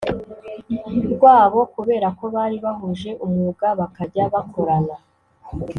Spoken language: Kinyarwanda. rwabo kubera ko bari bahuje umwuga bakajya bakorana